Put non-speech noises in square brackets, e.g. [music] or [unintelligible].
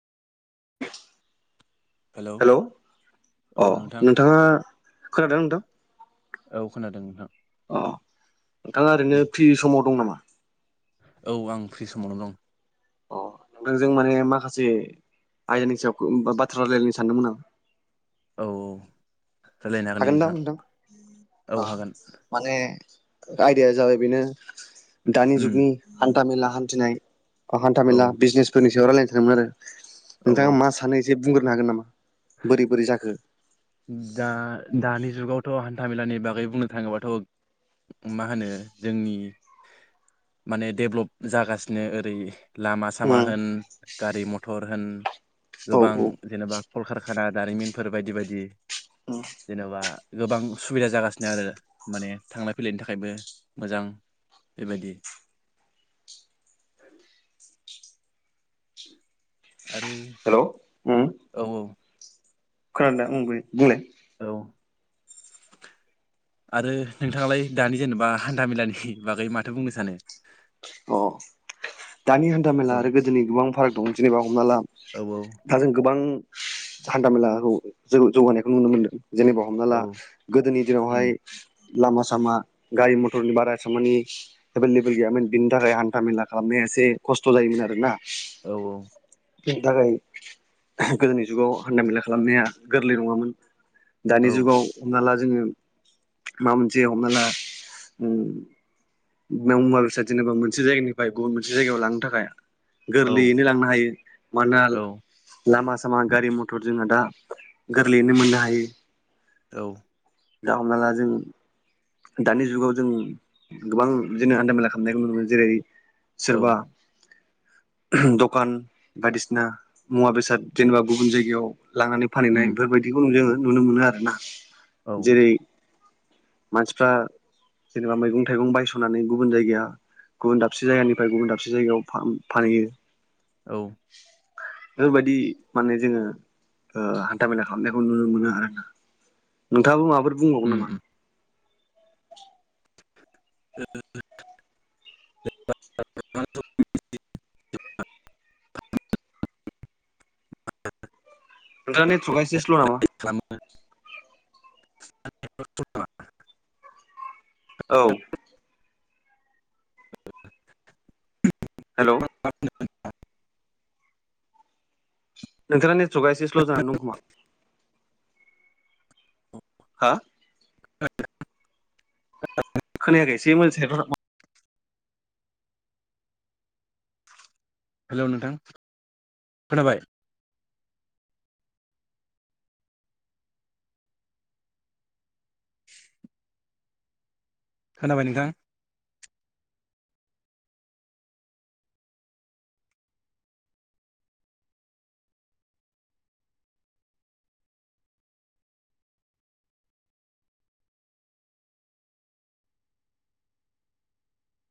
हेल' hello अ नोंथाङा खोनादों नोंथां? औ खोनादों नोंथां अ नोंथाङा ओरैनो फ्रि समाव दं नामा औ आं फ्रि समावनो दं अ नोंथां जों माने माखासे आयदानि सायाव बाथ्रा रायलायनो सानदोंमोन आं औ रायलायनो हागोन नै नोंथां औ अ हागोन माने आयदाया जाबाय बेनो दानि उम जुगनि हान्थाामेला हान्थिनाय औ हान्थामेला बिजनेसफोरनि सायाव रायलायनो थानोममोन आरो औ औ नोंथाङा मा सानो एसे बुंग्रोनो हागोन नामा बोरै बोरै जाखो दा दानि जुगावथ' हान्थाामेलानि बागै बुंनो थाङोबाथ' मा होनो जोंनि माने डेभ्लप जागासिनो ओरै लामा उम सामा होन गारि मथर होन औ गोबां औ जेनेबा कलकारखाना दारिमिनफोर बायदि बायदि [inaudible] जेनेबा गोबां सुबिदा जागासिनो आरो माने थांलाय फैलायनि थाखायबो मोजां बेबायदि आरो हेलौ उम औ औ खोनादों बुंलाय औ' आरो नोंथाङालाय दानि जेनेबा हान्थाामेलानि बागै माथो बुंनो सानो अ दानि हान्था मेला औ आरो गोदोनि गोबां फाराग दं जेनेबा हमना ला औ औ दा जों गोबां हान्था मेलाखौ जौगानायखौ नुनो मोनदों जेनेबा हमना औ ला गोदोनि दिनावहाय लामा सामा गारि मथरनि बारा एसेबांमानि एभेलेबेल गैयामोन बिनि थाखाय हान्था मेला खालामनाया एसे खस्थ' जायोमोन आरोना औ [inaudible] गोदोनि जुगाव हान्था मेला खालामनाया गोरलै नङामोन दानि औ जुगाव हमना ला जोङो माबा मोनसे हमना ला बे मबाइल बेस जेनेबा मोनसे जायगानिफ्राय गुबुन मोनसे जायगायाव लांनो थाखाय गोरलैयैनो लांनो हायो मानोना औ लामा सामा गारि मथर जोंहा दा गोरलैयैनो मोननो हायो औ दा हमना ला जों दानि जुगाव जों गोबां जदिनो हान्थामेला खालामनायखौ नुनो मोनो जेरै सोरबा दखान बायदिसिना मुवा बेसाद जेनेबा गुबुन जायगायाव लांनानैै फानहैनाय बेफोरबायदिखौ जोङो नुनो मोनो आरोना जेरै मानसिफ्रा जेनेबा मैगं थाइगं बायस'नानै गुबुन जायगाया गुबुन दाबसे जायगानिफ्राय गुबुन दाबसे जायगायाव फानहैयो। औ बेफोरबायदि माने जोङो हान्था मेला खालामनायखौ नुनो मोनो आरोना नोंथाङाबो माबफोर बुंबावगोन नामा? [unintelligible] [inaudible] नोंथांनि नेथगा एसे स्ल नामा खालामो। औ हेलौ [unintelligible] नोंथांना नेथगा इसे सल' जान नों दं खुुमा। हा? खोनायाखैसे मोन। हेल' नोंथां खोनाबाय। खोनाबाय नोंथां।